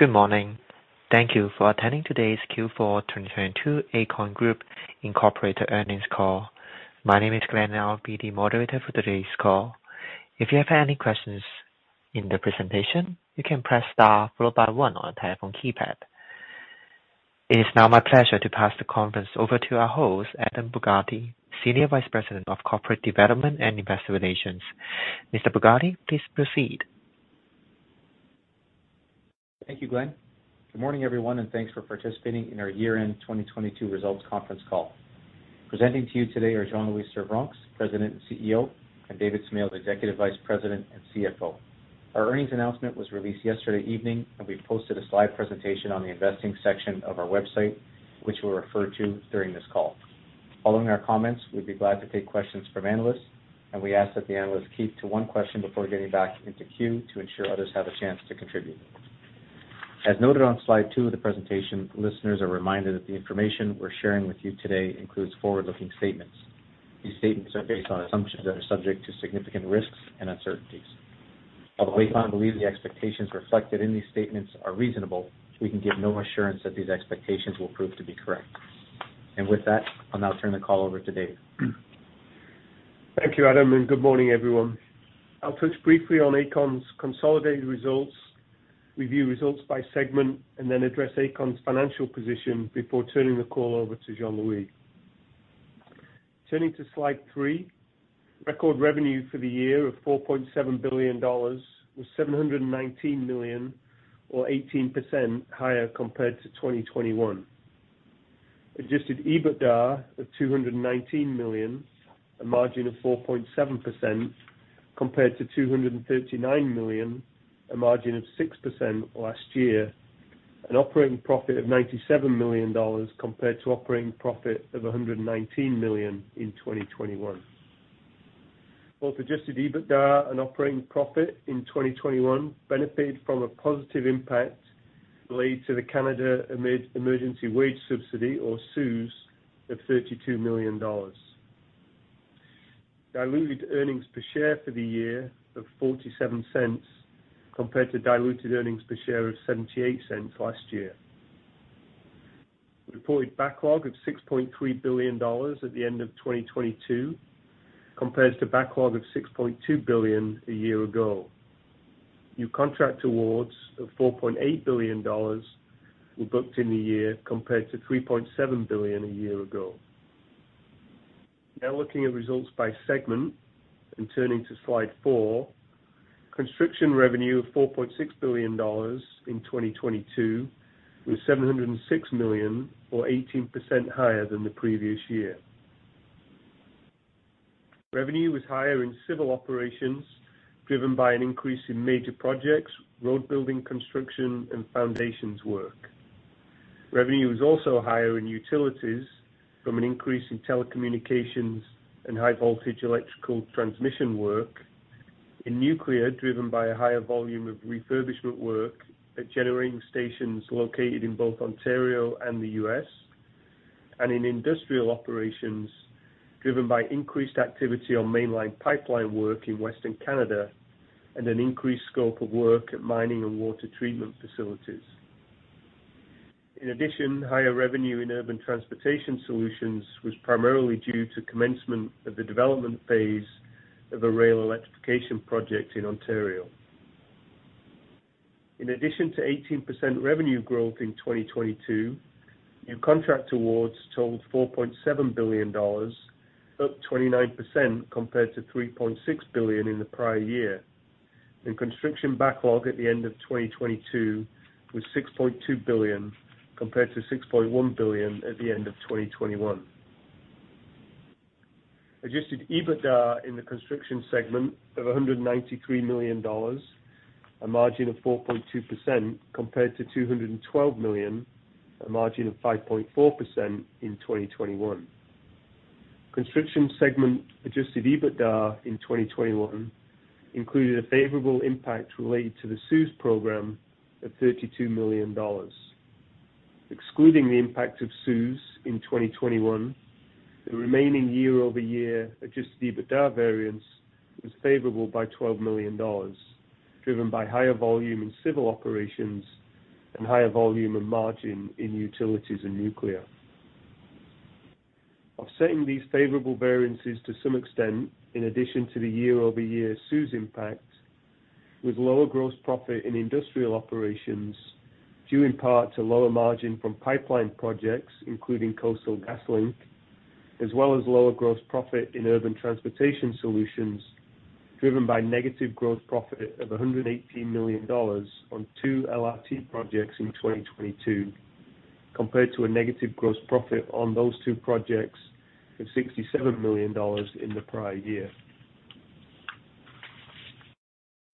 Good morning. Thank you for attending today's Q4 2022 Aecon Group Inc earnings call. My name is Glenn. I'll be the moderator for today's call. If you have any questions in the presentation, you can press star followed by one on your telephone keypad. It is now my pleasure to pass the conference over to our host, Adam Borgatti, Senior Vice President, Corporate Development and Investor Relations. Mr. Borgatti, please proceed. Thank you, Glenn. Good morning, everyone, thanks for participating in our year-end 2022 results conference call. Presenting to you today are Jean-Louis Servranckx, President and CEO, and, Executive Vice President and CFO. Our earnings announcement was released yesterday evening, we posted a slide presentation on the investing section of our website, which we'll refer to during this call. Following our comments, we'd be glad to take questions from analysts, we ask that the analysts keep to one question before getting back into queue to ensure others have a chance to contribute. As noted on Slide 2 of the presentation, listeners are reminded that the information we're sharing with you today includes forward-looking statements. These statements are based on assumptions that are subject to significant risks and uncertainties. Although we don't believe the expectations reflected in these statements are reasonable, we can give no assurance that these expectations will prove to be correct. With that, I'll now turn the call over to Dave. Thank you, Adam. Good morning, everyone. I'll touch briefly on Aecon's consolidated results, review results by segment, then address Aecon's financial position before turning the call over to Jean-Louis. Turning to Slide 3, record revenue for the year of $4.7 billion was $719 million or 18% higher compared to 2021. Adjusted EBITDA of $219 million, a margin of 4.7% compared to $239 million, a margin of 6% last year. An operating profit of $97 million compared to operating profit of $119 million in 2021. Both adjusted EBITDA and operating profit in 2021 benefited from a positive impact related to the Canada Emergency Wage Subsidy, or CEWS, of $32 million. Diluted earnings per share for the year of $0.47 compared to diluted earnings per share of $0.78 last year. Reported backlog of $6.3 billion at the end of 2022 compares to backlog of $6.2 billion a year ago. New contract awards of $4.8 billion were booked in the year compared to $3.7 billion a year ago. Looking at results by segment and turning to Slide 4, Construction revenue of $4.6 billion in 2022 was $706 million or 18% higher than the previous year. Revenue was higher in civil operations, driven by an increase in major projects, road building construction, and foundations work. Revenue was also higher in utilities from an increase in telecommunications and high voltage electrical transmission work. In nuclear, driven by a higher volume of refurbishment work at generating stations located in both Ontario and the U.S. In industrial operations, driven by increased activity on mainline pipeline work in Western Canada and an increased scope of work at mining and water treatment facilities. In addition, higher revenue in urban transportation solutions was primarily due to commencement of the development phase of a rail electrification project in Ontario. In addition to 18% revenue growth in 2022, new contract awards totaled $4.7 billion, up 29% compared to $3.6 billion in the prior year. Construction backlog at the end of 2022 was $6.2 billion, compared to $6.1 billion at the end of 2021. Adjusted EBITDA in the Construction segment of $193 million, a margin of 4.2% compared to $212 million, a margin of 5.4% in 2021. Construction segment adjusted EBITDA in 2021 included a favorable impact related to the CEWS program of $32 million. Excluding the impact of CEWS in 2021, the remaining year-over-year adjusted EBITDA variance was favorable by $12 million, driven by higher volume in civil operations and higher volume and margin in utilities and nuclear. Offsetting these favorable variances to some extent, in addition to the year-over-year CEWS impact, with lower gross profit in industrial operations, due in part to lower margin from pipeline projects, including Coastal GasLink, as well as lower gross profit in urban transportation solutions, driven by negative gross profit of $118 million on two LRT projects in 2022, compared to a negative gross profit on those two projects of $67 million in the prior year.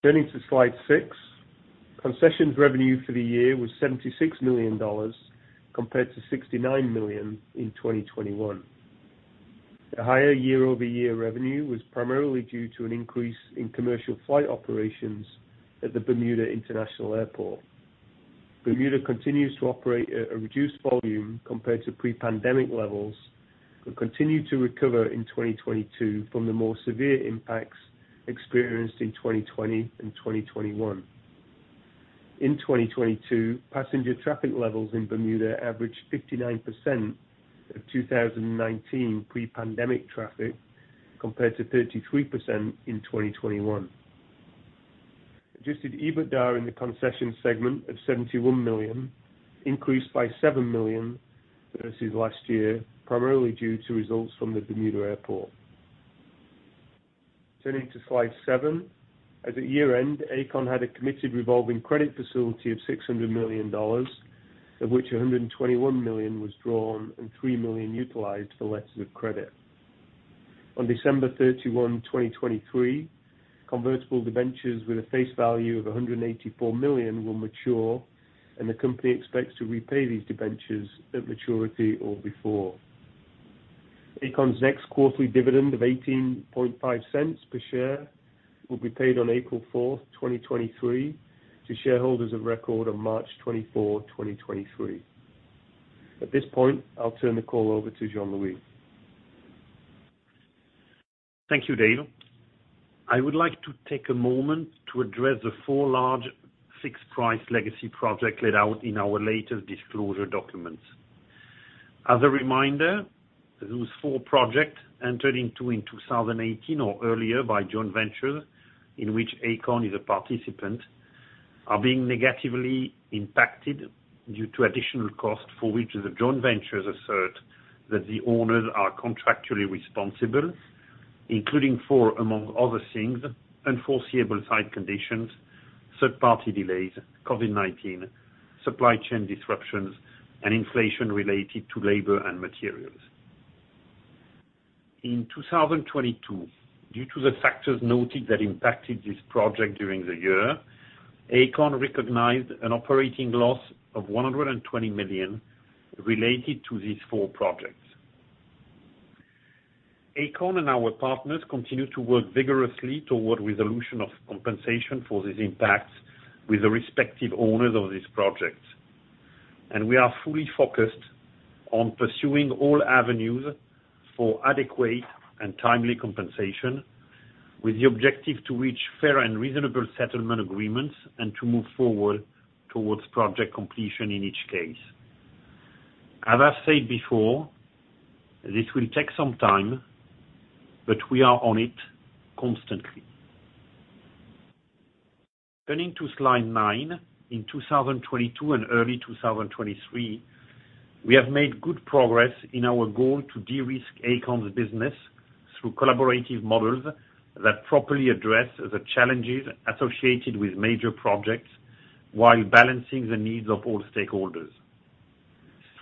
Turning to Slide 6, Concessions revenue for the year was $76 million, compared to $69 million in 2021. The higher year-over-year revenue was primarily due to an increase in commercial flight operations at the Bermuda International Airport. Bermuda continues to operate at a reduced volume compared to pre-pandemic levels, but continued to recover in 2022 from the more severe impacts experienced in 2020 and 2021. In 2022, passenger traffic levels in Bermuda averaged 59% of 2019 pre-pandemic traffic, compared to 33% in 2021. Adjusted EBITDA in the Concessions segment of $71 million increased by $7 million versus last year, primarily due to results from the Bermuda Airport. Turning to Slide 7. As at year-end, Aecon had a committed revolving credit facility of $600 million, of which $121 million was drawn and $3 million utilized for letters of credit. On December 31, 2023, convertible debentures with a face value of $184 million will mature, and the company expects to repay these debentures at maturity or before. Aecon's next quarterly dividend of $0.185 per share will be paid on April 4, 2023, to shareholders of record on March 24, 2023. At this point, I'll turn the call over to Jean-Louis. Thank you, Dave. I would like to take a moment to address the four large fixed-price legacy projects laid out in our latest disclosure documents. As a reminder, those four projects entered into in 2018 or earlier by joint ventures in which Aecon is a participant, are being negatively impacted due to additional costs for which the joint ventures assert that the owners are contractually responsible, including for, among other things, unforeseeable site conditions, third-party delays, COVID-19, supply chain disruptions, and inflation related to labor and materials. Due to the factors noted that impacted this project during the year, Aecon recognized an operating loss of $120 million related to these four projects in 2022. Aecon and our partners continue to work vigorously toward resolution of compensation for these impacts with the respective owners of these projects. We are fully focused on pursuing all avenues for adequate and timely compensation, with the objective to reach fair and reasonable settlement agreements and to move forward towards project completion in each case. As I've said before, this will take some time, but we are on it constantly. Turning to Slide 9. In 2022 and early 2023, we have made good progress in our goal to de-risk Aecon's business through collaborative models that properly address the challenges associated with major projects while balancing the needs of all stakeholders.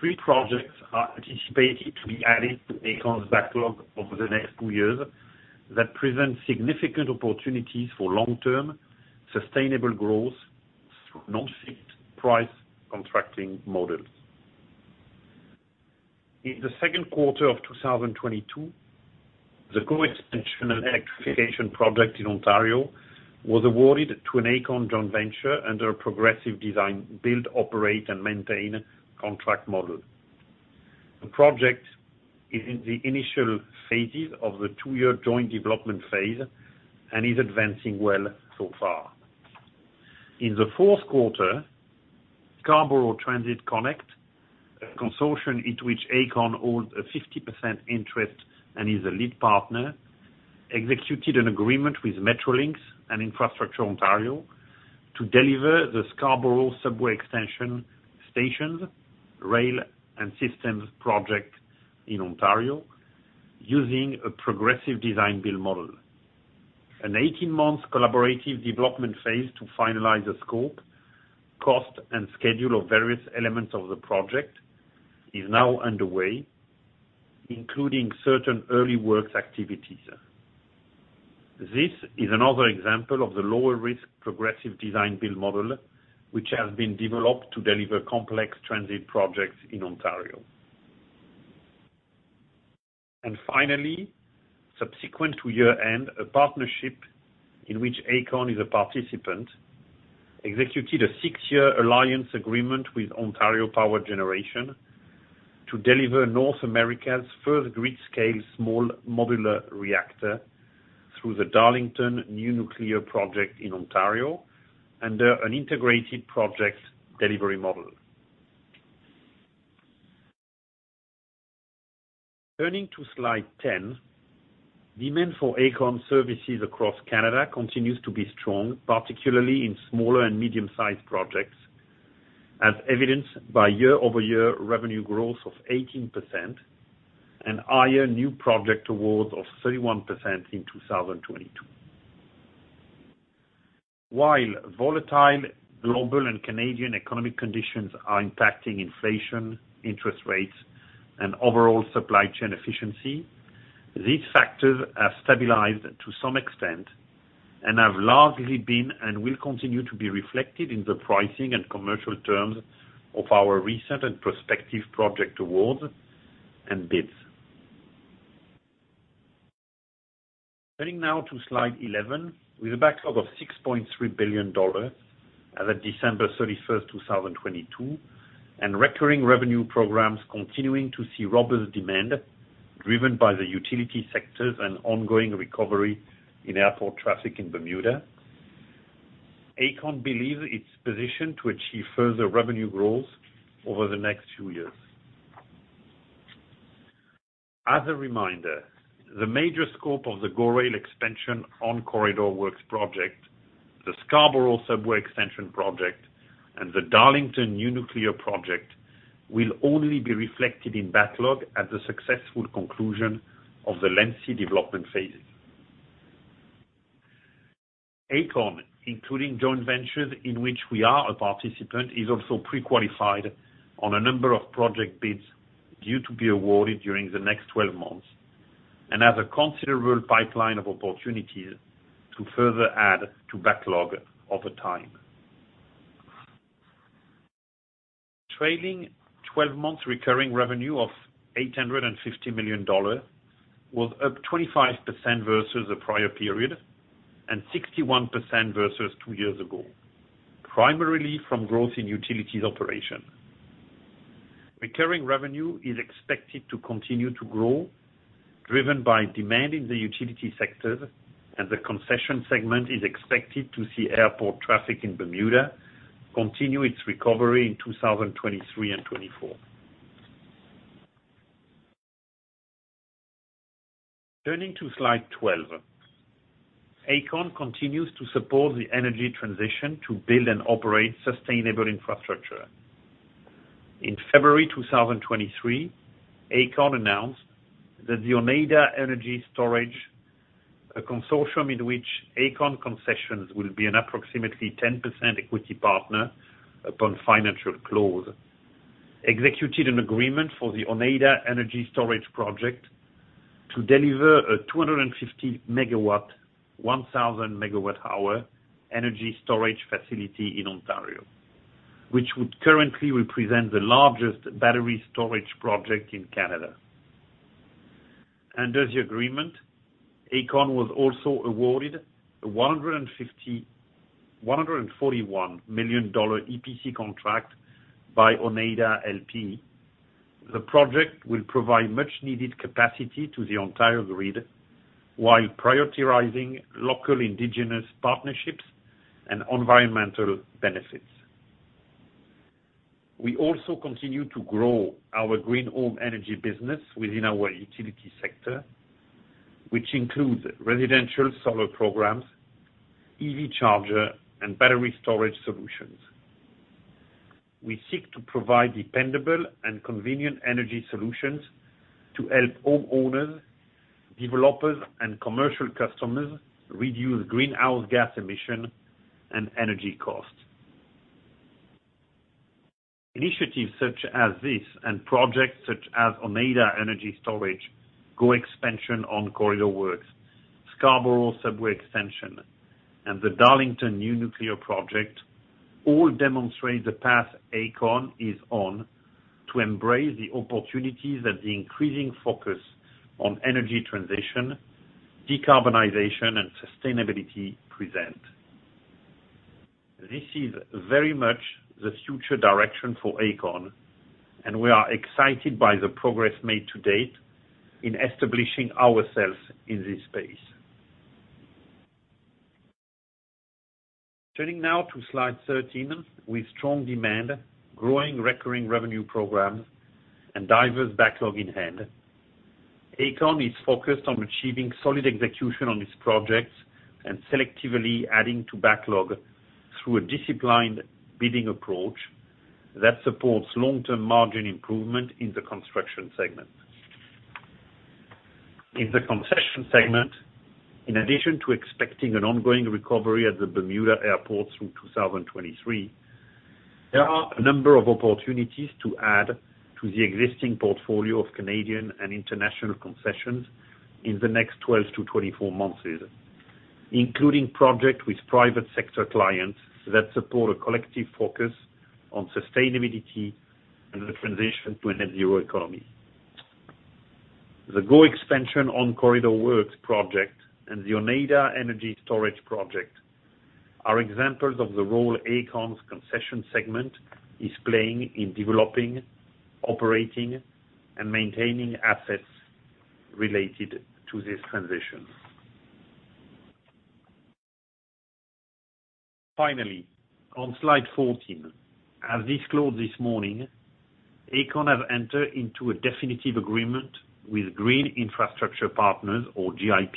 Three projects are anticipated to be added to Aecon's backlog over the next two years that present significant opportunities for long-term sustainable growth through non-fixed price contracting models. In the second quarter of 2022, the GO Expansion and electrification project in Ontario was awarded to an Aecon joint venture under a progressive design, build, operate, and maintain contract model. The project is in the initial phases of the two-year joint development phase and is advancing well so far. In the fourth quarter, Scarborough Transit Connect, a consortium into which Aecon holds a 50% interest and is a lead partner, executed an agreement with Metrolinx and Infrastructure Ontario to deliver the Scarborough Subway Extension Stations, Rail and Systems project in Ontario using a progressive design-build model. An 18-month collaborative development phase to finalize the scope, cost, and schedule of various elements of the project is now underway, including certain early works activities. This is another example of the lower risk progressive design-build model, which has been developed to deliver complex transit projects in Ontario. Finally, subsequent to year-end, a partnership in which Aecon is a participant, executed a six-year alliance agreement with Ontario Power Generation to deliver North America's first grid-scale Small Modular Reactor through the Darlington New Nuclear Project in Ontario under an integrated project delivery model. Turning to Slide 10. Demand for Aecon services across Canada continues to be strong, particularly in smaller and medium-sized projects, as evidenced by year-over-year revenue growth of 18% and higher new project awards of 31% in 2022. While volatile global and Canadian economic conditions are impacting inflation, interest rates, and overall supply chain efficiency, these factors have stabilized to some extent and have largely been, and will continue to be reflected in the pricing and commercial terms of our recent and prospective project awards and bids. Turning now to Slide 11. With a backlog of $6.3 billion as of December 31st, 2022, and recurring revenue programs continuing to see robust demand driven by the Utility sectors and ongoing recovery in airport traffic in Bermuda, Aecon believes it's positioned to achieve further revenue growth over the next few years. As a reminder, the major scope of the GO Rail Expansion On-Corridor Works project, the Scarborough Subway Extension project, and the Darlington New Nuclear Project will only be reflected in backlog at the successful conclusion of the lengthy development phases. Aecon, including joint ventures in which we are a participant, is also pre-qualified on a number of project bids due to be awarded during the next 12 months, and has a considerable pipeline of opportunities to further add to backlog over time. Trailing 12 months recurring revenue of $850 million was up 25% versus the prior period and 61% versus two years ago, primarily from growth in utilities operation. Recurring revenue is expected to continue to grow, driven by demand in the Utility sector, and the Concessions segment is expected to see airport traffic in Bermuda continue its recovery in 2023 and 2024. Turning to Slide 12. Aecon continues to support the energy transition to build and operate sustainable infrastructure. In February 2023, Aecon announced that the Oneida Energy Storage, a consortium in which Aecon concessions will be an approximately 10% equity partner upon financial close, executed an agreement for the Oneida Energy Storage Project to deliver a 250 MW, 1,000 MWh energy storage facility in Ontario, which would currently represent the largest battery storage project in Canada. Under the agreement, Aecon was also awarded a $141 million EPC contract by Oneida LP. The project will provide much needed capacity to the Ontario grid while prioritizing local indigenous partnerships and environmental benefits. We also continue to grow our green home energy business within our Utility sector, which includes residential solar programs, EV charger, and battery storage solutions. We seek to provide dependable and convenient energy solutions to help homeowners, developers, and commercial customers reduce greenhouse gas emission and energy costs. Initiatives such as this and projects such as Oneida Energy Storage, GO Expansion On-Corridor Works, Scarborough Subway Extension, and the Darlington New Nuclear Project all demonstrate the path Aecon is on to embrace the opportunities that the increasing focus on energy transition, decarbonization, and sustainability present. This is very much the future direction for Aecon, and we are excited by the progress made to date in establishing ourselves in this space. Turning now to Slide 13. With strong demand, growing recurring revenue programs, and diverse backlog in hand, Aecon is focused on achieving solid execution on its projects and selectively adding to backlog through a disciplined bidding approach that supports long-term margin improvement in the construction segment. In the Concessions segment, in addition to expecting an ongoing recovery at the Bermuda Airport through 2023, there are a number of opportunities to add to the existing portfolio of Canadian and international concessions in the next 12 to 24 months, including projects with private sector clients that support a collective focus on sustainability and the transition to a net zero economy. The GO Expansion On-Corridor Works project and the Oneida Energy Storage project are examples of the role Aecon's Concessions segment is playing in developing, operating, and maintaining assets related to this transition. Finally, on Slide 14. As disclosed this morning, Aecon have entered into a definitive agreement with Green Infrastructure Partners, or GIP,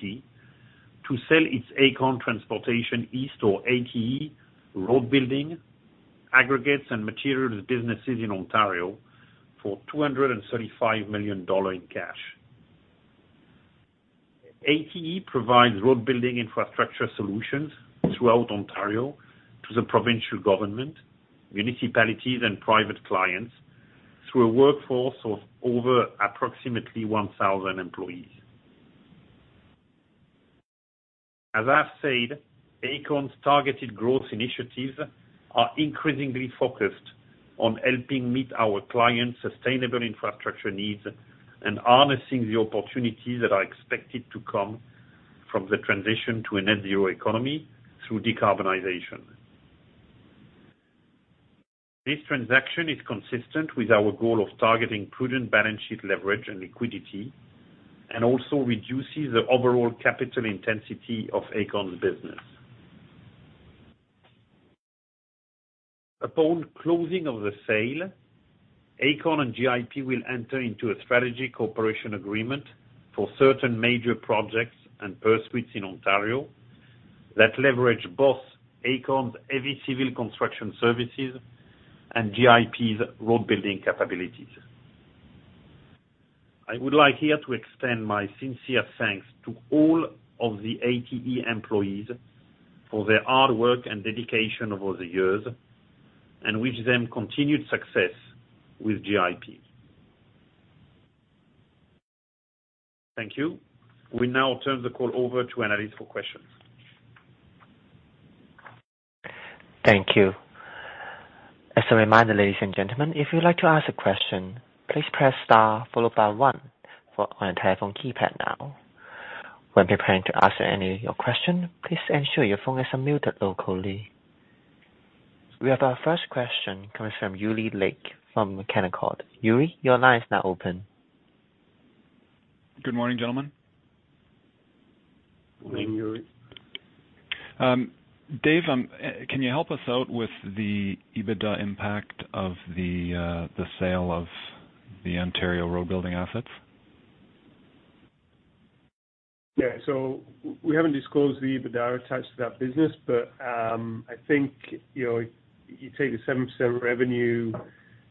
to sell its Aecon Transportation East, or ATE, road building, aggregates, and materials businesses in Ontario for $235 million in cash. ATE provides road building infrastructure solutions throughout Ontario to the provincial government, municipalities, and private clients through a workforce of over approximately 1,000 employees. As I've said, Aecon's targeted growth initiatives are increasingly focused on helping meet our clients' sustainable infrastructure needs and harnessing the opportunities that are expected to come from the transition to a net zero economy through decarbonization. This transaction is consistent with our goal of targeting prudent balance sheet leverage and liquidity, and also reduces the overall capital intensity of Aecon's business. Upon closing of the sale, Aecon and GIP will enter into a strategy cooperation agreement for certain major projects and pursuits in Ontario that leverage both Aecon's heavy civil construction services and GIP's road building capabilities. I would like here to extend my sincere thanks to all of the ATE employees for their hard work and dedication over the years and wish them continued success with GIP. Thank you. We now turn the call over to analyst for questions. Thank you. As a reminder, ladies and gentlemen, if you'd like to ask a question, please press star one on your telephone keypad now. When preparing to ask any of your question, please ensure your phone is unmuted locally. We have our first question coming from Yuri Lynk from Canaccord. Yuri, your line is now open. Good morning, gentlemen. Morning, Yuri. Dave, can you help us out with the EBITDA impact of the sale of the Ontario roadbuilding assets? We haven't disclosed the EBITDA attached to that business, but, I think, you know, you take the 7% revenue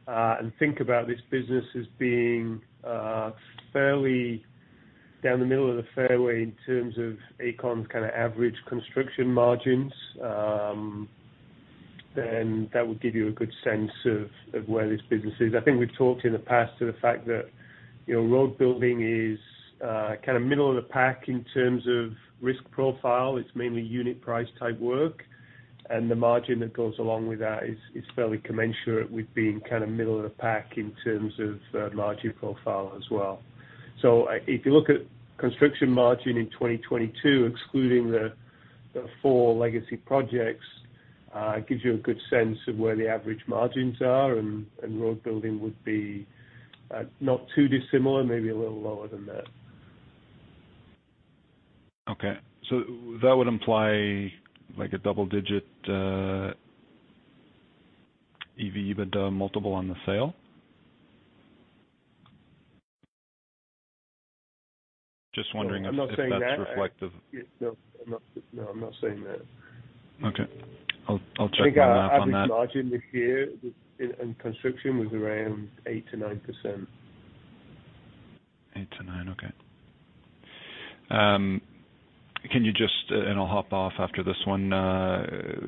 and think about this business as being fairly down the middle of the fairway in terms of Aecon's kinda average construction margins, then that would give you a good sense of where this business is. I think we've talked in the past to the fact that, you know, roadbuilding is kind of middle of the pack in terms of risk profile. It's mainly unit price type work, and the margin that goes along with that is fairly commensurate with being kind of middle of the pack in terms of margin profile as well. If you look at construction margin in 2022, excluding the four legacy projects, it gives you a good sense of where the average margins are and road building would be, not too dissimilar, maybe a little lower than that. Okay. That would imply like a double-digit EV/EBITDA multiple on the sale? Just wondering if- I'm not saying that. That's reflective. No, I'm not saying that. Okay. I'll check my math on that. I think our average margin this year in construction was around 8%-9%. 8%-9%. Okay. Can you just, and I'll hop off after this one,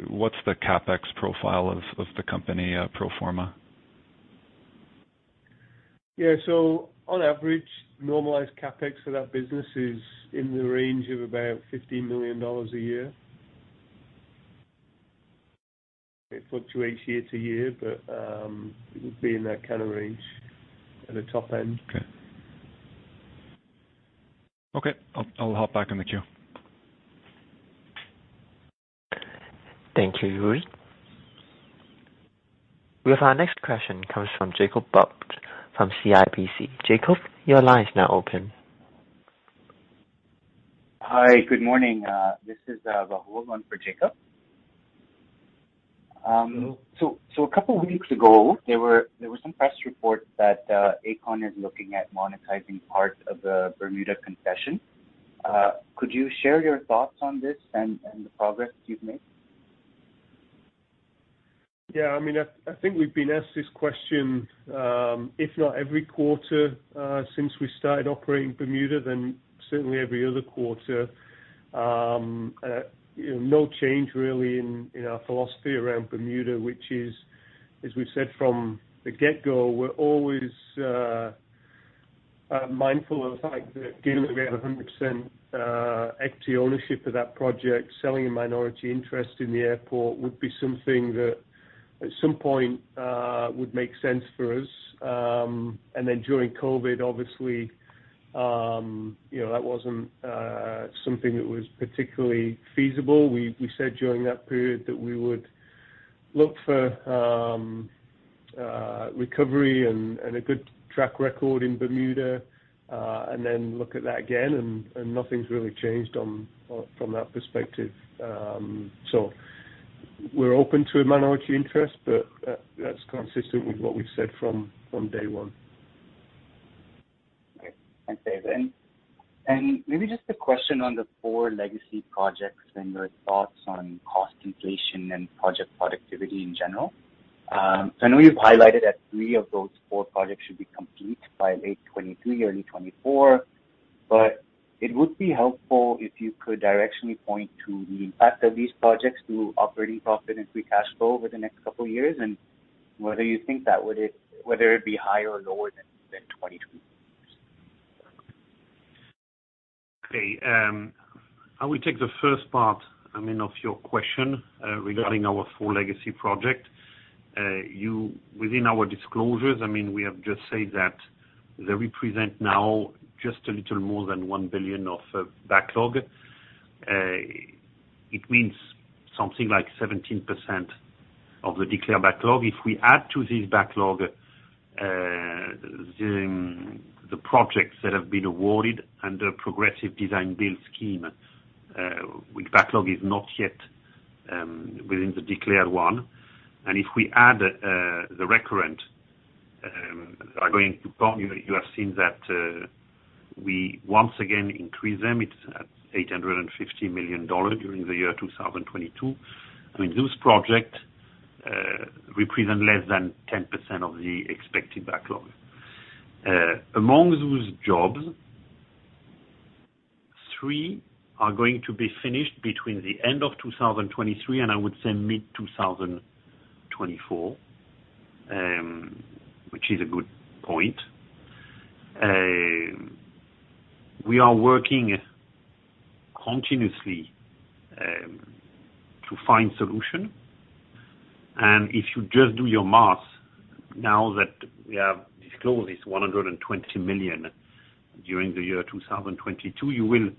what's the CapEx profile of the company, pro forma? On average, normalized CapEx for that business is in the range of about $15 million a year. It fluctuates year to year, but it would be in that kind of range at the top end. Okay. Okay. I'll hop back in the queue. Thank you, Yuri. We have our next question comes from Jacob Bout from CIBC. Jacob, your line is now open. Hi. Good morning. This is Rahul for Jacob. A couple weeks ago, there were some press reports that Aecon is looking at monetizing parts of the Bermuda concession. Could you share your thoughts on this and the progress you've made? Yeah. I mean, I think we've been asked this question, if not every quarter, since we started operating Bermuda, then certainly every other quarter. You know, no change really in our philosophy around Bermuda, which is, as we've said from the get-go, we're always mindful of the fact that given we have 100% equity ownership of that project, selling a minority interest in the airport would be something that at some point would make sense for us. During COVID, obviously, you know, that wasn't something that was particularly feasible. We said during that period that we would look for recovery and a good track record in Bermuda, then look at that again, and nothing's really changed on from that perspective. We're open to a minority interest, that's consistent with what we've said from day one. Okay. Thanks, David. Maybe just a question on the four legacy projects and your thoughts on cost inflation and project productivity in general. I know you've highlighted that three of those four projects should be complete by late 2023, early 2024, but it would be helpful if you could directionally point to the impact of these projects to operating profit and free cash flow over the next couple of years and whether it'd be higher or lower than 2022. Okay. I will take the first part, I mean, of your question regarding our full legacy project. Within our disclosures, I mean, we have just said that they represent now just a little more than $1 billion of backlog. It means something like 17% of the declared backlog. If we add to this backlog during the projects that have been awarded under progressive design-build scheme, which backlog is not yet within the declared one, and if we add the recurrent are going to come, you have seen that we once again increase them. It's at $850 million during the year 2022. I mean, those project represent less than 10% of the expected backlog. Among those jobs, three are going to be finished between the end of 2023 and I would say mid-2024, which is a good point. We are working continuously to find solution. If you just do your math now that we have disclosed this $120 million during the year 2022, you will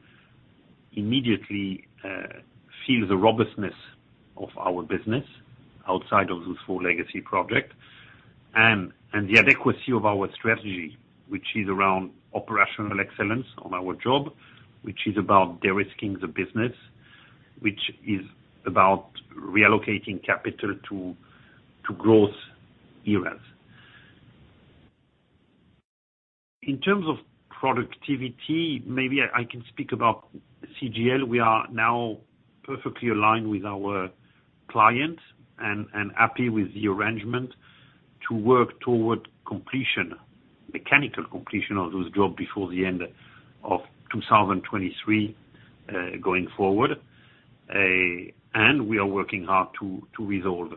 immediately feel the robustness of our business outside of those four legacy project and the adequacy of our strategy, which is around operational excellence on our job, which is about de-risking the business, which is about reallocating capital to growth areas. In terms of productivity, maybe I can speak about CGL. We are now perfectly aligned with our client and happy with the arrangement to work toward completion, mechanical completion of those job before the end of 2023, going forward. We are working hard to resolve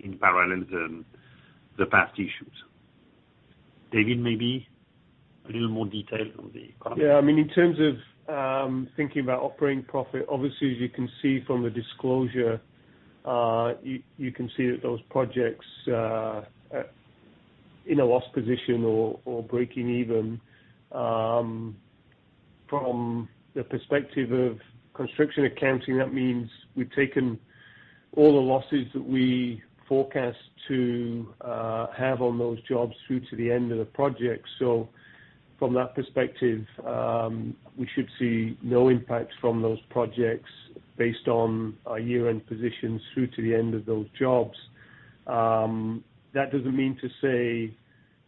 in parallel the past issues. David, maybe a little more detail on the economy. Yeah. I mean, in terms of thinking about operating profit, obviously, as you can see from the disclosure, you can see that those projects in a loss position or breaking even. From the perspective of construction accounting, that means we've taken all the losses that we forecast to have on those jobs through to the end of the project. From that perspective, we should see no impact from those projects based on our year-end positions through to the end of those jobs. That doesn't mean to say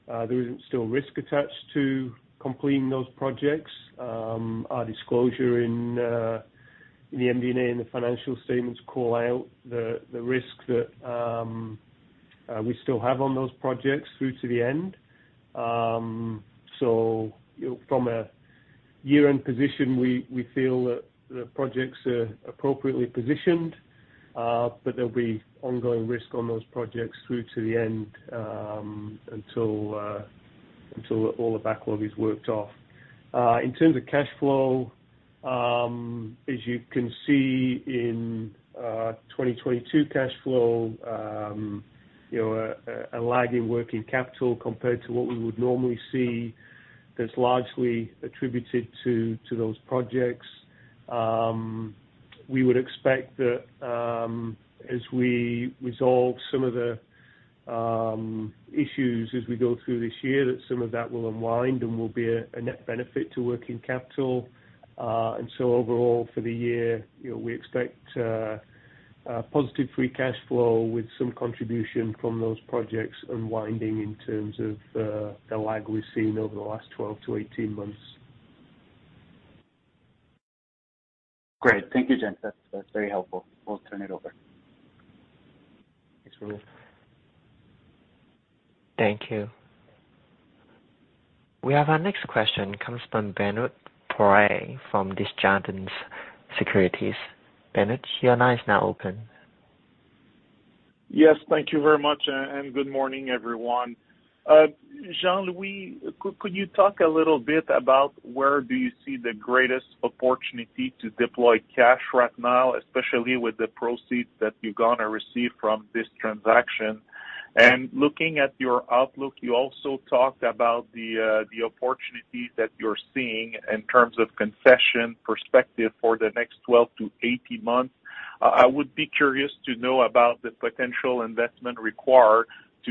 there isn't still risk attached to completing those projects. Our disclosure in the MD&A and the financial statements call out the risk that we still have on those projects through to the end. From a year-end position, we feel that the projects are appropriately positioned, but there'll be ongoing risk on those projects through to the end, until all the backlog is worked off. In terms of cash flow, as you can see in 2022 cash flow, you know, a lag in working capital compared to what we would normally see, that's largely attributed to those projects. We would expect that, as we resolve some of the issues as we go through this year, that some of that will unwind and will be a net benefit to working capital. Overall for the year, you know, we expect a positive free cash flow with some contribution from those projects unwinding in terms of the lag we've seen over the last 12 to 18 months. Great. Thank you, gents. That's very helpful. We'll turn it over. Thanks, Rahul. Thank you. We have our next question comes from Benoit Poirier from Desjardins Securities. Benoit, your line is now open. Yes. Thank you very much, and good morning, everyone. Jean-Louis, could you talk a little bit about where do you see the greatest opportunity to deploy cash right now, especially with the proceeds that you're gonna receive from this transaction? Looking at your outlook, you also talked about the opportunity that you're seeing in terms of concession perspective for the next 12 to 18 months. I would be curious to know about the potential investment required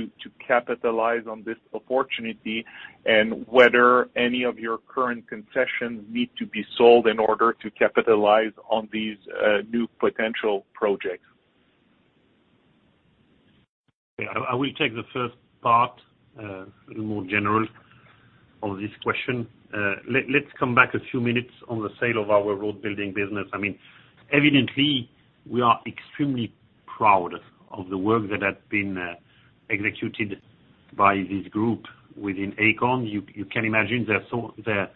to capitalize on this opportunity and whether any of your current concessions need to be sold in order to capitalize on these new potential projects. I will take the first part, a little more general of this question. Let's come back a few minutes on the sale of our roadbuilding business. I mean, evidently we are extremely proud of the work that has been executed by this group within Aecon. You, you can imagine there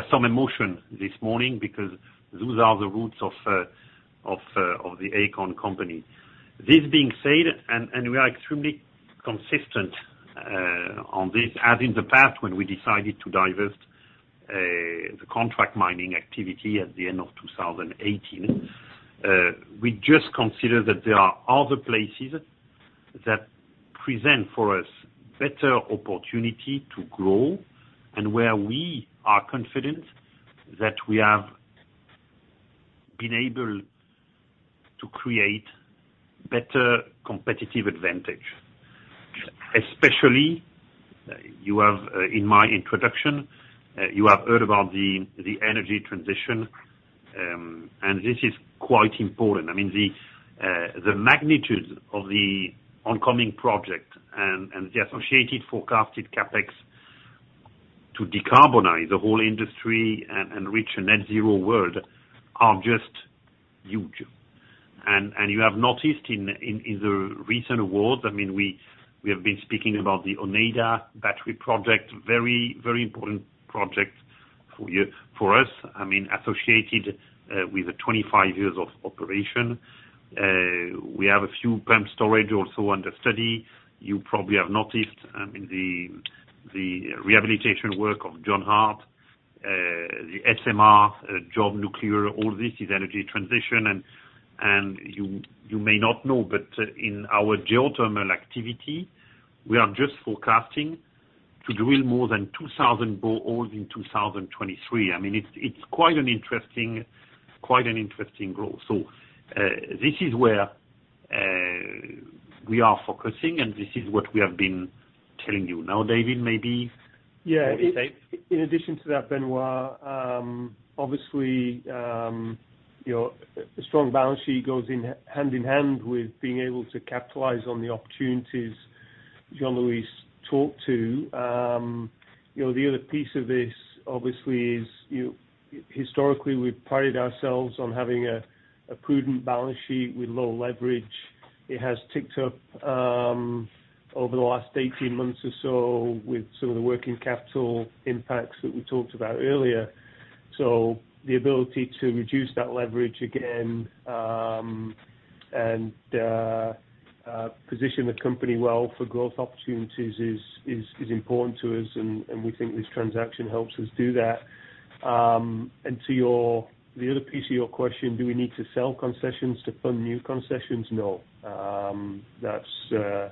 are some emotion this morning because those are the roots of the Aecon company. This being said, and we are extremely consistent on this as in the past when we decided to divest the contract mining activity at the end of 2018. We just consider that there are other places that present for us better opportunity to grow and where we are confident that we have been able to create better competitive advantage. Especially you have, in my introduction, you have heard about the energy transition. This is quite important. I mean, the magnitude of the oncoming project and the associated forecasted CapEx to decarbonize the whole industry and reach a net zero world are just huge. You have noticed in the recent world, I mean, we have been speaking about the Oneida battery project, very, very important project for us. I mean, associated with 25 years of operation. We have a few pumped storage also under study. You probably have noticed, I mean, the rehabilitation work of John Hart, the SMR, Darlington Nuclear, all this is energy transition. You may not know, but in our geothermal activity, we are just forecasting to drill more than 2,000 boreholes in 2023. I mean, it's quite an interesting growth. This is where we are focusing and this is what we have been telling you. Now, David, maybe you can say. Yeah. In addition to that, Benoit, obviously, you know, a strong balance sheet goes in, hand in hand with being able to capitalize on the opportunities Jean-Louis talked to. You know, the other piece of this obviously is historically, we prided ourselves on having a prudent balance sheet with low leverage. It has ticked up over the last 18 months or so with some of the working capital impacts that we talked about earlier. The ability to reduce that leverage again, and position the company well for growth opportunities is important to us and we think this transaction helps us do that. To your the other piece to your question, do we need to sell concessions to fund new concessions? No. That's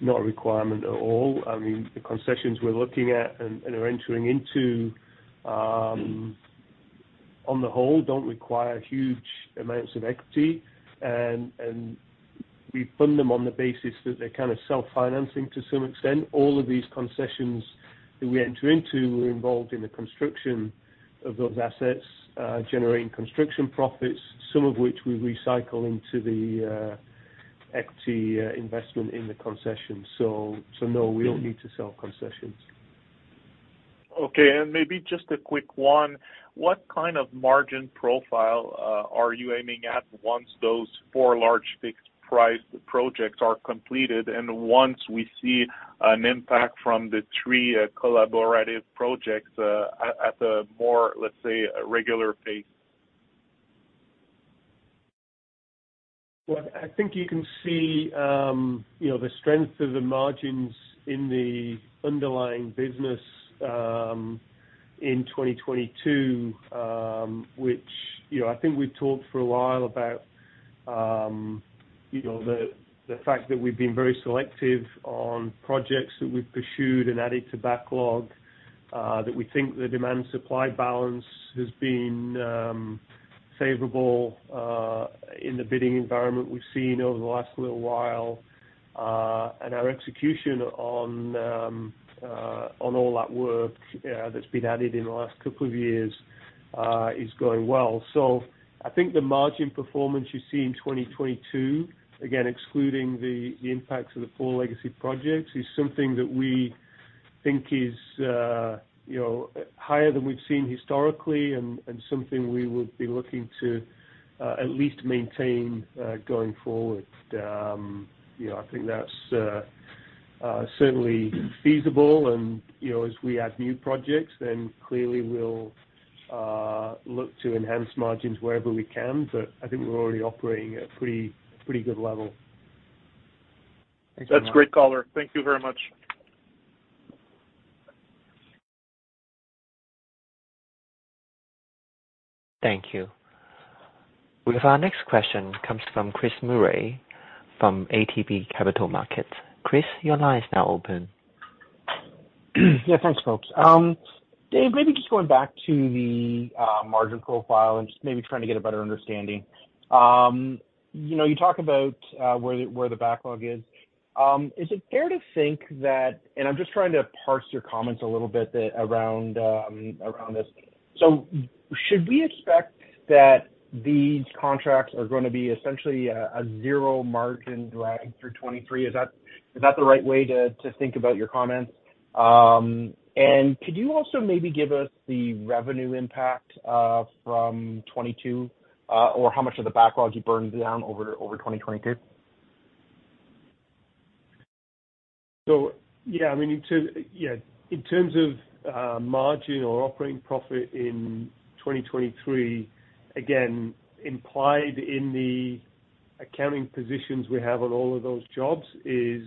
not a requirement at all. I mean, the concessions we're looking at and are entering into, on the whole don't require huge amounts of equity. We fund them on the basis that they're kind of self-financing to some extent. All of these concessions that we enter into were involved in the construction of those assets, generating construction profits, some of which we recycle into the equity investment in the concession. So no, we don't need to sell concessions. Okay. Maybe just a quick one, what kind of margin profile are you aiming at once those four large fixed price projects are completed and once we see an impact from the three collaborative projects at a more, let's say, regular pace? Well, I think you can see, you know, the strength of the margins in the underlying business, in 2022, which, you know, I think we've talked for a while about, you know, the fact that we've been very selective on projects that we've pursued and added to backlog, that we think the demand-supply balance has been favorable in the bidding environment we've seen over the last little while. Our execution on all that work that's been added in the last couple of years is going well. I think the margin performance you see in 2022, again excluding the impacts of the four legacy projects, is something that we think is, you know, higher than we've seen historically and something we would be looking to at least maintain going forward. You know, I think that's certainly feasible and, you know, as we add new projects then clearly we'll look to enhance margins wherever we can, but I think we're already operating at a pretty good level. Thanks so much. That's great, caller. Thank you very much. Thank you. We have our next question comes from Chris Murray from ATB Capital Markets. Chris, your line is now open. Yeah. Thanks, folks. Dave, maybe just going back to the margin profile and just maybe trying to get a better understanding. You know, you talk about where the backlog is. Is it fair to think that... And I'm just trying to parse your comments a little bit around this. Should we expect that these contracts are gonna be essentially a zero margin drag through 2023? Is that the right way to think about your comments? And could you also maybe give us the revenue impact from 2022, or how much of the backlog you burned down over 2022? Yeah, I mean, in terms, yeah, in terms of margin or operating profit in 2023, again, implied in the accounting positions we have on all of those jobs is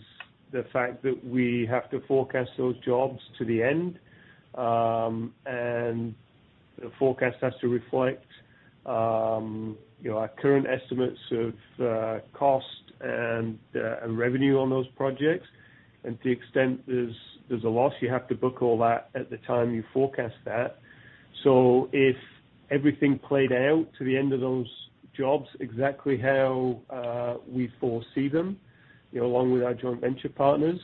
the fact that we have to forecast those jobs to the end. The forecast has to reflect, you know, our current estimates of cost and revenue on those projects. To the extent there's a loss, you have to book all that at the time you forecast that. If everything played out to the end of those jobs exactly how we foresee them, you know, along with our joint venture partners,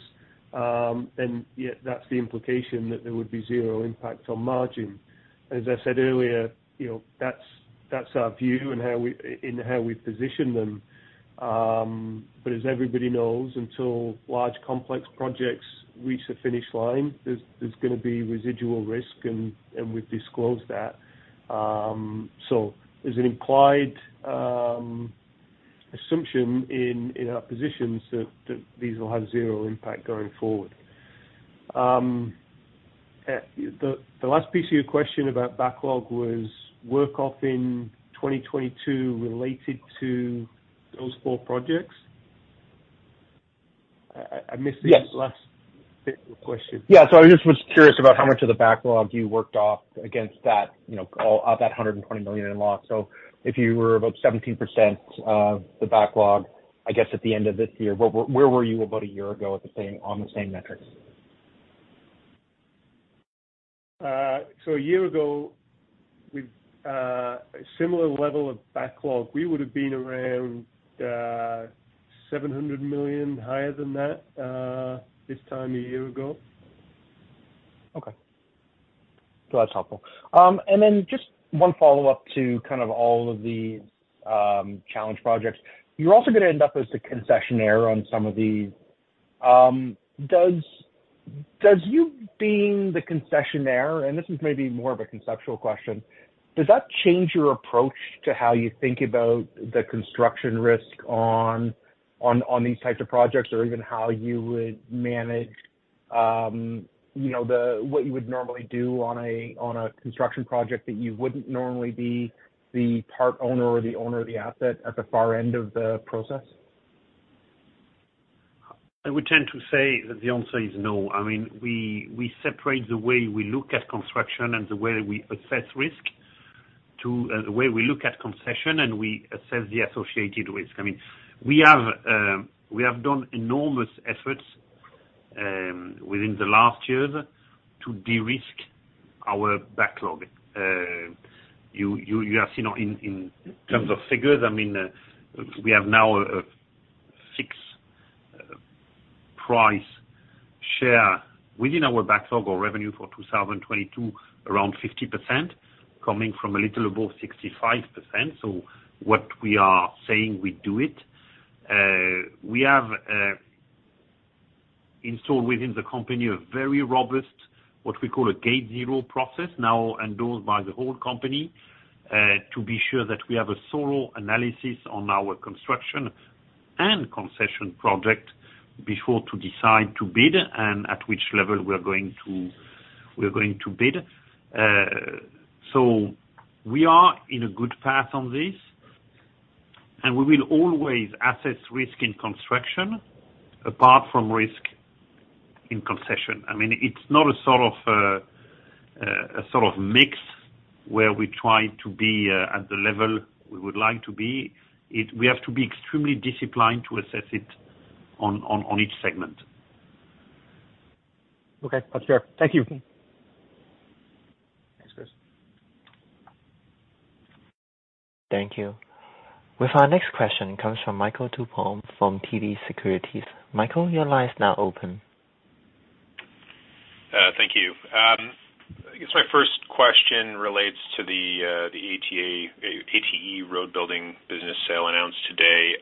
then yeah, that's the implication that there would be zero impact on margin. As I said earlier, you know, that's our view in how we position them. As everybody knows, until large complex projects reach the finish line, there's gonna be residual risk, and we've disclosed that. So there's an implied assumption in our positions that these will have zero impact going forward. The last piece of your question about backlog was work off in 2022 related to those four projects? I missed the. Yes. last bit of the question. I just was curious about how much of the backlog you worked off against that, you know, of that $120 million in loss. If you were about 17% of the backlog, I guess, at the end of this year, where were you about a year ago at the same, on the same metrics? A year ago, we've a similar level of backlog. We would've been around $700 million higher than that, this time a year ago. Okay. That's helpful. Just one follow-up to kind of all of the challenge projects. You're also gonna end up as the concessionaire on some of these. Does you being the concessionaire, and this is maybe more of a conceptual question, does that change your approach to how you think about the construction risk on these types of projects? Or even how you would manage, you know, the, what you would normally do on a construction project that you wouldn't normally be the part owner or the owner of the asset at the far end of the process? I would tend to say that the answer is no. I mean, we separate the way we look at Construction and the way we assess risk to the way we look at Concessions, and we assess the associated risk. I mean, we have done enormous efforts within the last years to de-risk our backlog. You have seen in terms of figures, I mean, we have now a fixed price share within our backlog or revenue for 2022, around 50% coming from a little above 65%. What we are saying, we do it. We have installed within the company a very robust, what we call a gate zero process now endorsed by the whole company, to be sure that we have a thorough analysis on our construction and concession project before to decide to bid and at which level we're going to bid. We are in a good path on this, and we will always assess risk in construction apart from risk in concession. I mean, it's not a sort of mix where we try to be at the level we would like to be. We have to be extremely disciplined to assess it on each segment. Okay. That's fair. Thank you. Thanks, Chris. Thank you. With our next question comes from Michael Tupholme from TD Securities. Michael, your line is now open. Thank you. I guess my first question relates to the ATE road building business sale announced today.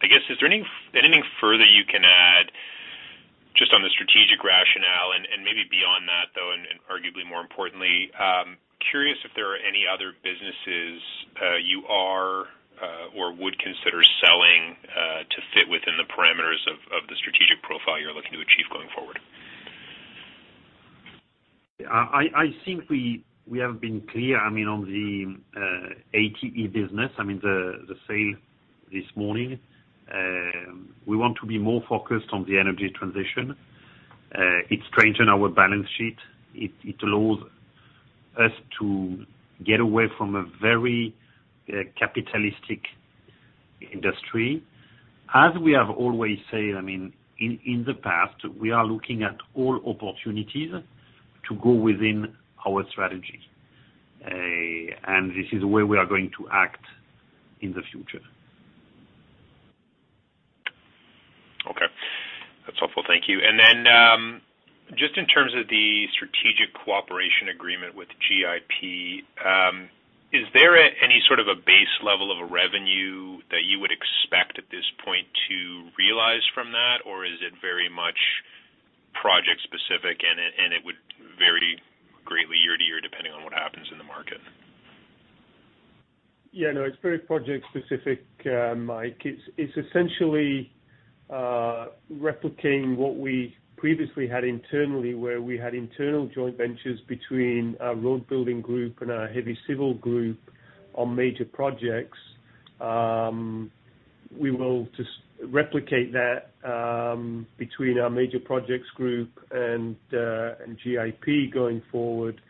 I guess, is there anything further you can add just on the strategic rationale? Maybe beyond that though, and arguably more importantly, curious if there are any other businesses you are or would consider selling to fit within the parameters of the strategic profile you're looking to achieve going forward. Yeah. I think we have been clear, I mean, on the ATE business, I mean, the sale this morning. We want to be more focused on the energy transition. It strengthen our balance sheet. It allows us to get away from a very capitalistic industry. As we have always said, I mean, in the past, we are looking at all opportunities to go within our strategy. This is where we are going to act in the future. Okay. That's helpful. Thank you. Just in terms of the strategic cooperation agreement with GIP, is there any sort of base level of a revenue that you would expect at this point to realize from that? Or is it very much? Yeah, no, it's very project specific, Mike. It's essentially replicating what we previously had internally, where we had internal joint ventures between our road building group and our heavy civil group on major projects. We will just replicate that between our major projects group and GIP going forward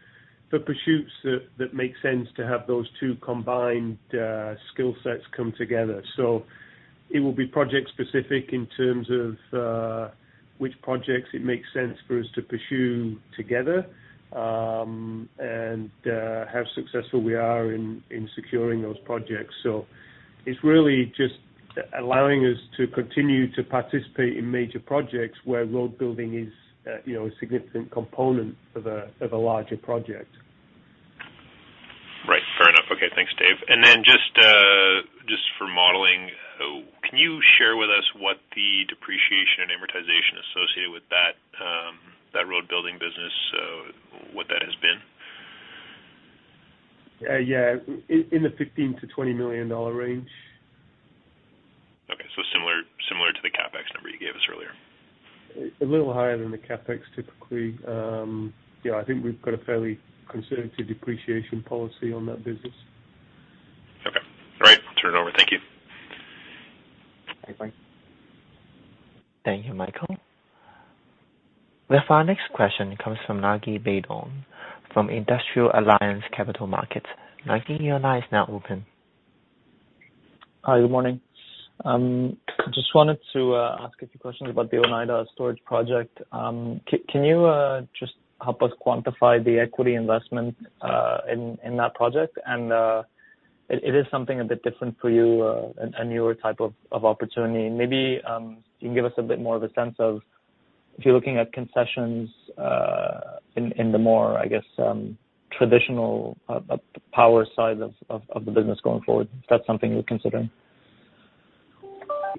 for pursuits that make sense to have those two combined skill sets come together. It will be project specific in terms of which projects it makes sense for us to pursue together and how successful we are in securing those projects. It's really just allowing us to continue to participate in major projects where roadbuilding is, you know, a significant component of a larger project. Right. Fair enough. Okay, thanks, Dave. Just, just for modeling, can you share with us what the depreciation and amortization associated with that road building business, what that has been? Yeah. In the $15 million-$20 million range. Okay. similar to the CapEx number you gave us earlier. A little higher than the CapEx typically. Yeah, I think we've got a fairly conservative depreciation policy on that business. Okay. All right. Turn over. Thank you. Okay, bye. Thank you, Michael. With our next question comes from Naji Baydoun from Industrial Alliance Capital Markets. Naji, your line is now open. Hi, good morning. just wanted to ask a few questions about the Oneida Energy Storage Project. can you just help us quantify the equity investment in that project? it is something a bit different for you, a newer type of opportunity. Maybe you can give us a bit more of a sense of if you're looking at Concessions in the more, I guess, traditional power side of the business going forward, if that's something you're considering.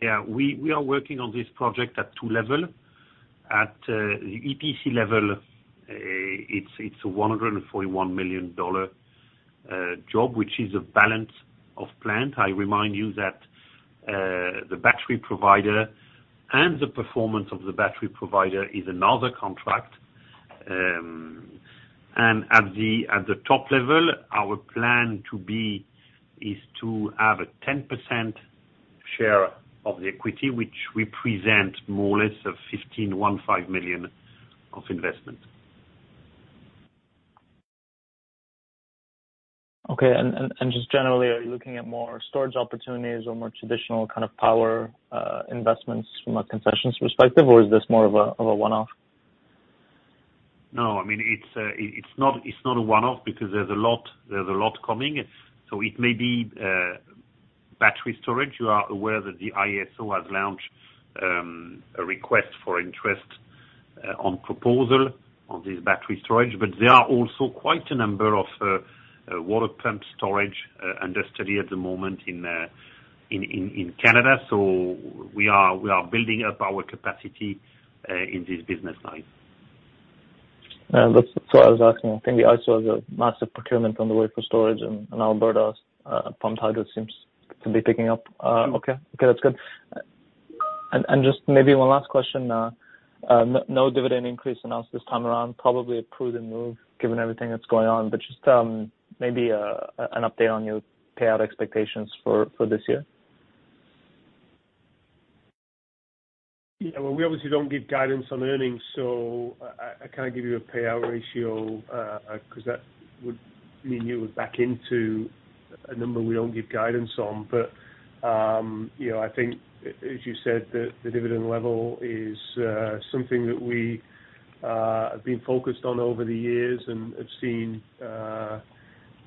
Yeah. We are working on this project at two level. At the EPC level, it's a $141 million job, which is a balance of plant. I remind you that the battery provider and the performance of the battery provider is another contract. At the top level, our plan to be is to have a 10% share of the equity, which we present more or less of $15 million of investment. Okay. Just generally, are you looking at more storage opportunities or more traditional kind of power investments from a concessions perspective, or is this more of a one-off? No, I mean, it's not a one-off because there's a lot coming. It may be battery storage. You are aware that the IESO has launched a request for interest on proposal on this battery storage. There are also quite a number of water pump storage under study at the moment in Canada. We are building up our capacity in this business line. Yeah, that's what I was asking. I think the IESO has a massive procurement on the way for storage and Alberta's pump hydro seems to be picking up. Okay. Okay, that's good. Just maybe one last question. No dividend increase announced this time around, probably a prudent move given everything that's going on. Just maybe an update on your payout expectations for this year. Yeah. Well, we obviously don't give guidance on earnings, so I can't give you a payout ratio because that would mean you would back into a number we don't give guidance on. You know, I think, as you said, the dividend level is something that we have been focused on over the years and have seen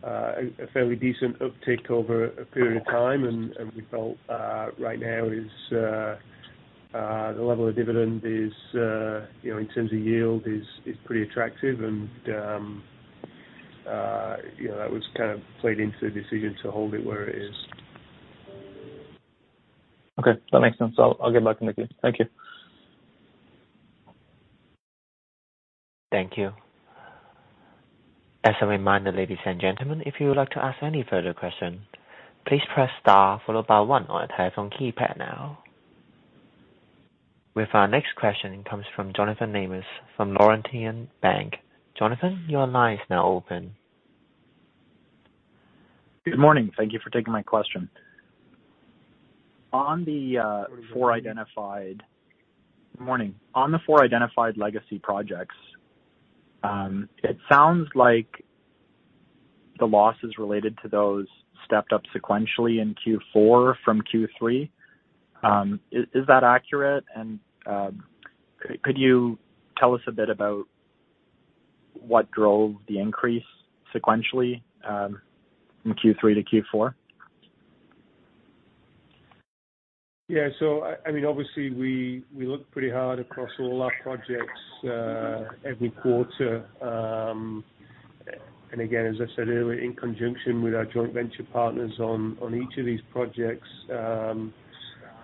a fairly decent uptick over a period of time. We felt right now is the level of dividend is you know, in terms of yield is pretty attractive. You know, that was kind of played into the decision to hold it where it is. Okay, that makes sense. I'll get back in the queue. Thank you. Thank you. As a reminder, ladies and gentlemen, if you would like to ask any further question, please press star followed by one on your telephone keypad now. Our next question comes from Jonathan Lamers from Laurentian Bank. Jonathan, your line is now open. Good morning. Thank you for taking my question. On the four identified-. Good morning. Morning. On the four identified legacy projects, it sounds like the losses related to those stepped up sequentially in Q4 from Q3. Is that accurate? Could you tell us a bit about what drove the increase sequentially from Q3 to Q4? I mean, obviously we look pretty hard across all our projects every quarter. And again, as I said earlier, in conjunction with our joint venture partners on each of these projects.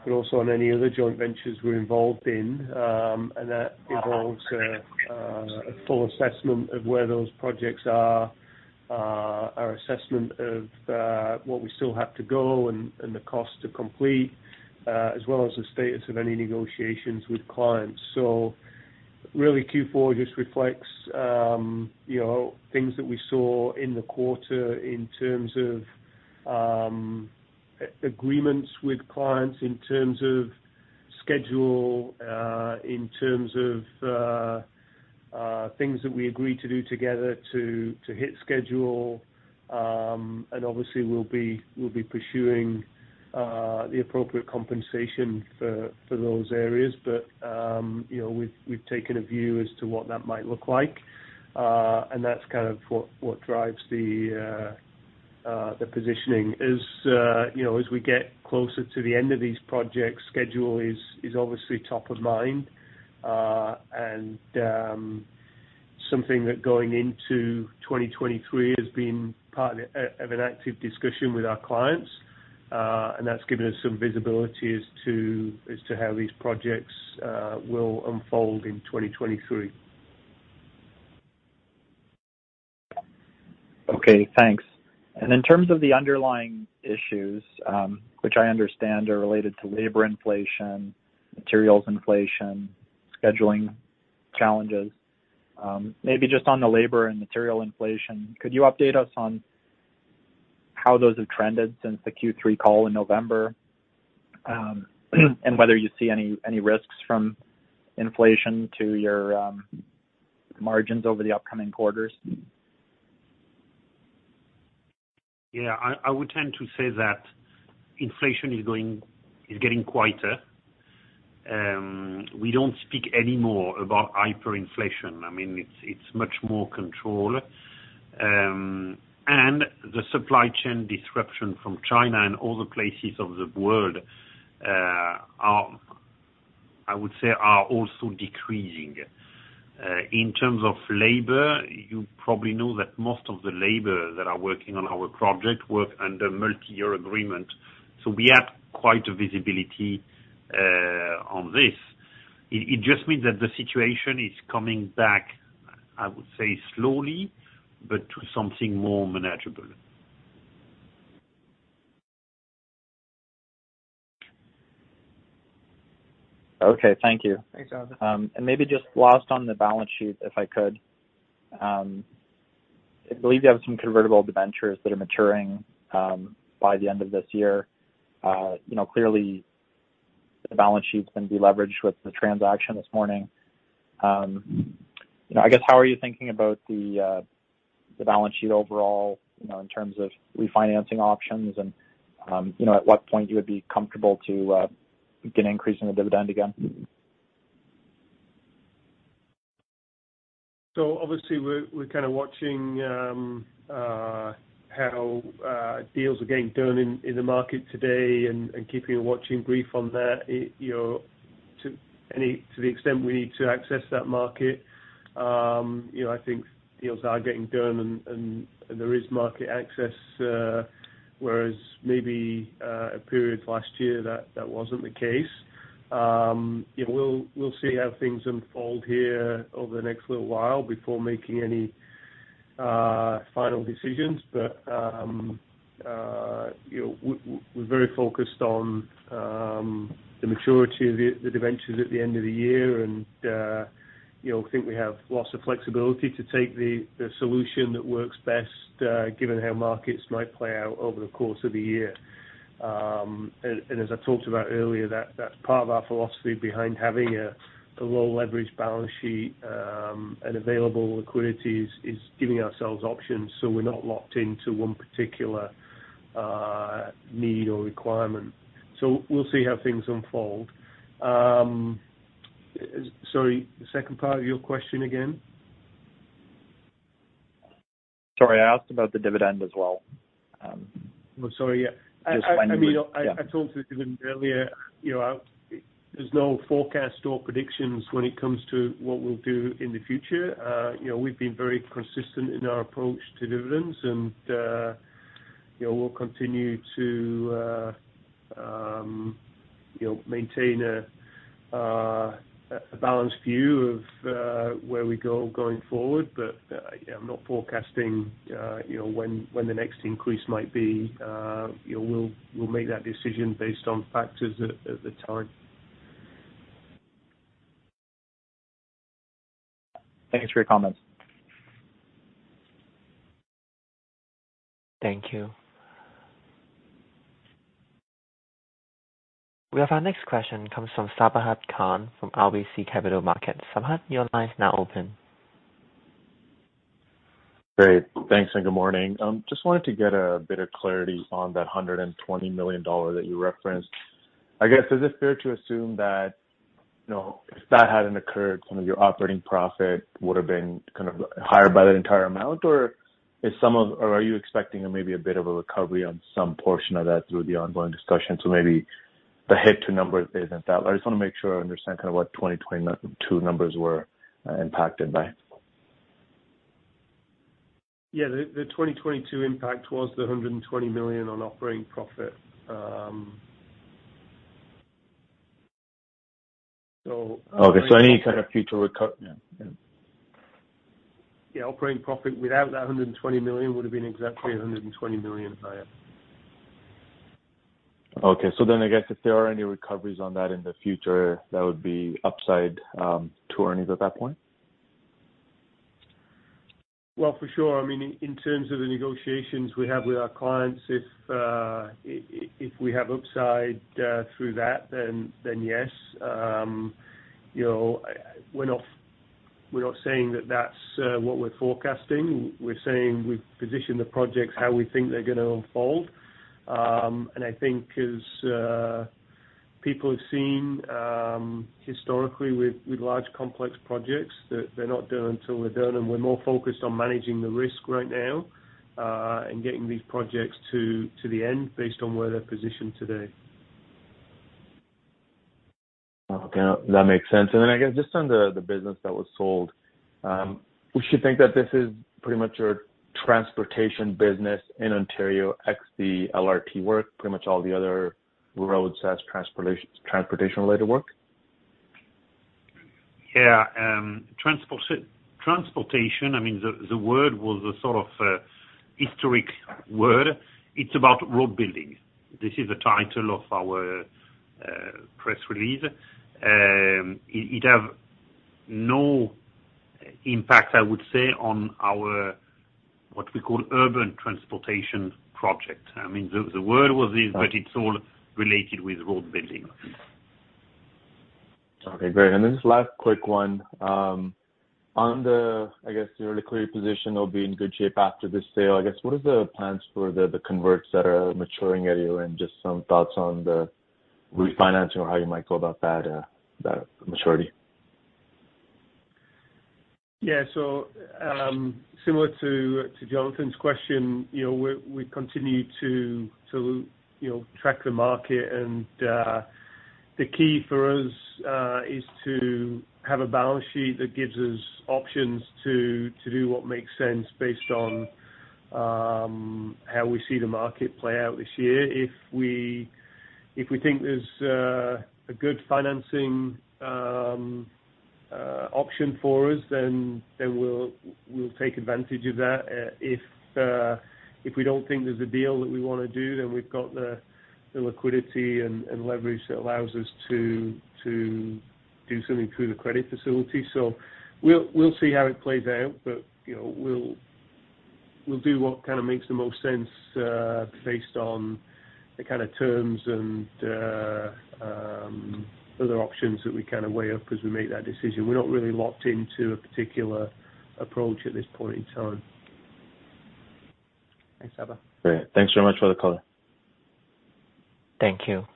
Also on any other joint ventures we're involved in, and that involves a full assessment of where those projects are, our assessment of what we still have to go and the cost to complete, as well as the status of any negotiations with clients. Really Q4 just reflects, you know, things that we saw in the quarter in terms of agreements with clients, in terms of schedule, in terms of things that we agreed to do together to hit schedule. And obviously we'll be pursuing the appropriate compensation for those areas. You know, we've taken a view as to what that might look like, and that's kind of what drives the positioning. As, you know, as we get closer to the end of these projects schedule is obviously top of mind. Something that going into 2023 has been part of an active discussion with our clients, and that's given us some visibility as to how these projects will unfold in 2023. Okay, thanks. In terms of the underlying issues, which I understand are related to labor inflation, materials inflation, scheduling challenges, maybe just on the labor and material inflation, could you update us on how those have trended since the Q3 call in November? Whether you see any risks from inflation to your, margins over the upcoming quarters? Yeah, I would tend to say that inflation is getting quieter. We don't speak anymore about hyperinflation. I mean, it's much more controlled. The supply chain disruption from China and other places of the world, I would say, are also decreasing. In terms of labor, you probably know that most of the labor that are working on our project work under multiyear agreement. We have quite a visibility, on this. It just means that the situation is coming back, I would say slowly, but to something more manageable. Okay. Thank you. Thanks. Maybe just last on the balance sheet, if I could. I believe you have some convertible debentures that are maturing by the end of this year. You know, clearly the balance sheet is going to be leveraged with the transaction this morning. You know, I guess, how are you thinking about the balance sheet overall, you know, in terms of refinancing options and, you know, at what point you would be comfortable to get an increase in the dividend again? Obviously we're kind of watching how deals are getting done in the market today and keeping a watching brief on that. You know, to the extent we need to access that market, you know, I think deals are getting done and there is market access, whereas maybe a period last year that wasn't the case. Yeah, we'll see how things unfold here over the next little while before making any final decisions. You know, we're very focused on the maturity of the debentures at the end of the year. You know, I think we have lots of flexibility to take the solution that works best given how markets might play out over the course of the year. As I talked about earlier, that's part of our philosophy behind having a low leverage balance sheet, and available liquidity is giving ourselves options so we're not locked into one particular need or requirement. We'll see how things unfold. Sorry, the second part of your question again? Sorry, I asked about the dividend as well. I'm sorry. Yeah. Just when you would- I mean, I talked to the dividend earlier. You know, there's no forecast or predictions when it comes to what we'll do in the future. You know, we've been very consistent in our approach to dividends and, you know, we'll continue to, you know, maintain a balanced view of where we go going forward. Yeah, I'm not forecasting, you know, when the next increase might be. You know, we'll make that decision based on factors at the time. Thank you for your comments. Thank you. We have our next question comes from Sabahat Khan from RBC Capital Markets. Sabahat, your line is now open. Great. Thanks, and good morning. Just wanted to get a bit of clarity on that $120 million that you referenced. I guess, is it fair to assume that, you know, if that hadn't occurred, some of your operating profit would have been kind of higher by the entire amount? Or are you expecting maybe a bit of a recovery on some portion of that through the ongoing discussion? Maybe the hit to numbers isn't that. I just want to make sure I understand kind of what 2022 numbers were impacted by. Yeah, the 2022 impact was the $120 million on operating profit. Okay. Any kind of future. Yeah. Yeah, operating profit without that $120 million would have been exactly $120 million higher. Okay. I guess if there are any recoveries on that in the future, that would be upside to earnings at that point? Well, for sure. I mean, in terms of the negotiations we have with our clients, if we have upside through that, then yes. You know, we're not saying that that's what we're forecasting. We're saying we've positioned the projects how we think they're gonna unfold. I think as people have seen, historically with large complex projects, that they're not done until they're done, and we're more focused on managing the risk right now, and getting these projects to the end based on where they're positioned today. Okay. That makes sense. Then, I guess, just on the business that was sold. We should think that this is pretty much your transportation business in Ontario, ex the LRT work, pretty much all the other roads as transportation-related work. Yeah, transportation, I mean, the word was a sort of historic word. It's about roadbuilding. This is the title of our press release. It have no impact, I would say, on our, what we call urban transportation project. I mean, the word was this. Right. It's all related with roadbuilding. Okay, great. Just last quick one. On the I guess the early clear position, they'll be in good shape after this sale. I guess, what are the plans for the converts that are maturing at you and just some thoughts on the refinancing or how you might go about that maturity? Yeah. Similar to Jonathan's question, you know, we continue to, you know, track the market and the key for us is to have a balance sheet that gives us options to do what makes sense based on how we see the market play out this year. If we think there's a good financing option for us, then we'll take advantage of that. If we don't think there's a deal that we wanna do, then we've got the liquidity and leverage that allows us to do something through the credit facility. We'll see how it plays out, but, you know, we'll do what kind of makes the most sense, based on the kinda terms and other options that we kinda weigh up as we make that decision. We're not really locked into a particular approach at this point in time. Thanks. Great. Thanks very much for the call. Thank you.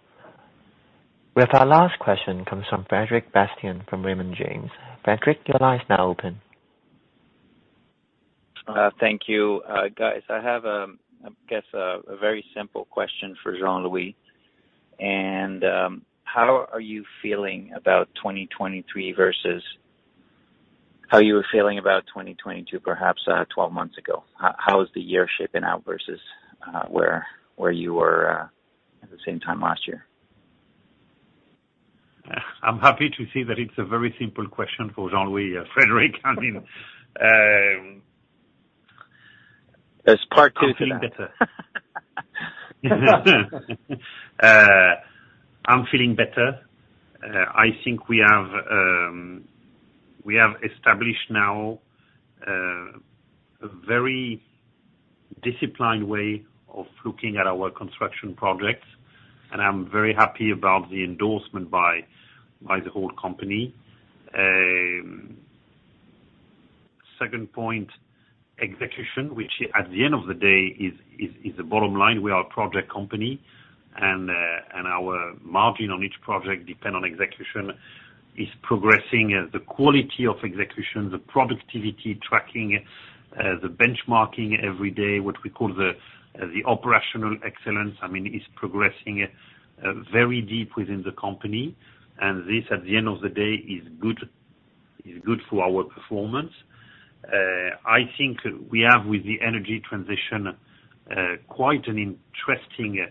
With our last question comes from Frederic Bastien from Raymond James. Frederic, your line is now open. Thank you. guys, I have, I guess, a very simple question for Jean-Louis. How are you feeling about 2023 versus how you were feeling about 2022, perhaps, 12 months ago? How is the year shaping out versus, where you were at the same time last year? I'm happy to see that it's a very simple question for Jean-Louis, Frederic. I mean. There's part two to that. I'm feeling better. I think we have established now a very disciplined way of looking at our construction projects, and I'm very happy about the endorsement by the whole company. Second point, execution, which at the end of the day is the bottom line. We are a project company and our margin on each project depend on execution, is progressing. The quality of execution, the productivity tracking, the benchmarking every day, what we call the operational excellence, I mean, is progressing very deep within the company. This, at the end of the day, is good for our performance. I think we have, with the energy transition, quite an interesting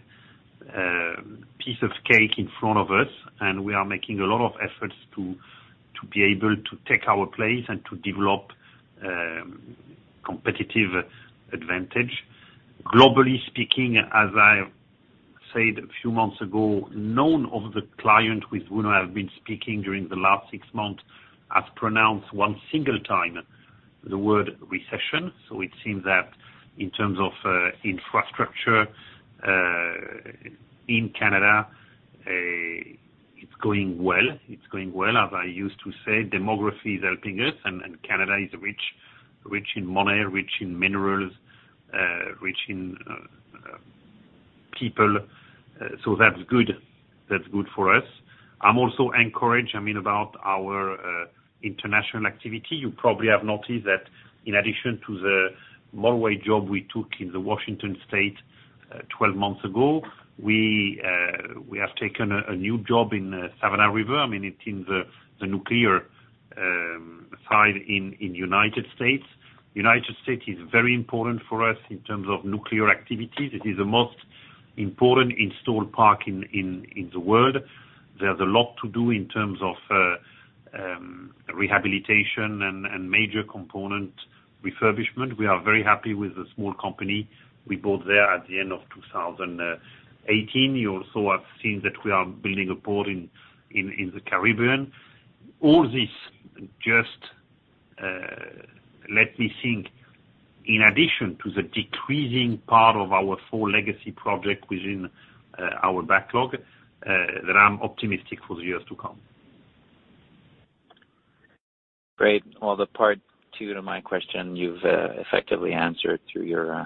piece of cake in front of us, and we are making a lot of efforts to be able to take our place and to develop competitive advantage. Globally speaking, as I said a few months ago, none of the client with who I have been speaking during the last six months has pronounced one single time the word recession. It seems that in terms of infrastructure in Canada, it's going well. It's going well. As I used to say, demography is helping us, and Canada is rich in money, rich in minerals, rich in people, that's good. That's good for us. I'm also encouraged, I mean, about our international activity. You probably have noticed that in addition to the motorway job we took in Washington state, 12 months ago, we have taken a new job in Savannah River. I mean, it's in the nuclear side in United States. United States is very important for us in terms of nuclear activity. It is the most important installed park in the world. There's a lot to do in terms of rehabilitation and major component refurbishment. We are very happy with the small company we bought there at the end of 2018. You also have seen that we are building a port in the Caribbean. All this just, let me think, in addition to the decreasing part of our four legacy project within our backlog that I'm optimistic for the years to come. Great. Well, the part two to my question, you've effectively answered through your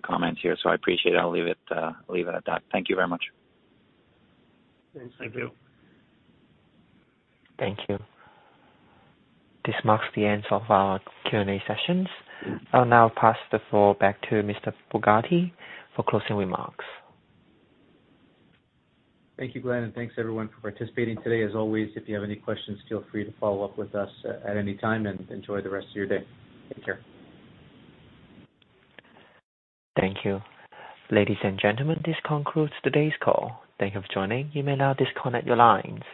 comments here, so I appreciate it. I'll leave it at that. Thank you very much. Thanks. Thank you. Thank you. This marks the end of our Q&A sessions. I'll now pass the floor back to Mr. Borgatti for closing remarks. Thank you, Glenn, and thanks everyone for participating today. As always, if you have any questions, feel free to follow up with us at any time, and enjoy the rest of your day. Take care. Thank you. Ladies and gentlemen, this concludes today's call. Thank you for joining. You may now disconnect your lines.